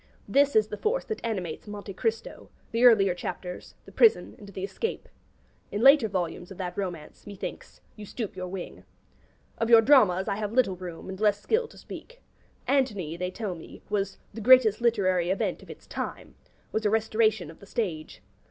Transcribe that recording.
This is the force that animates 'Monte Cristo,' the earlier chapters, the prison, and the escape. In later volumes of that romance, methinks, you stoop your wing. Of your dramas I have little room, and less skill, to speak. 'Antony,' they tell me, was 'the greatest literary event of its time,' was a restoration of the stage.